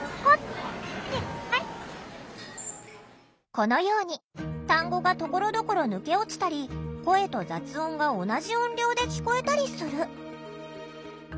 このように単語がところどころ抜け落ちたり声と雑音が同じ音量で聞こえたりする。